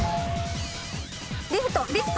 リフト。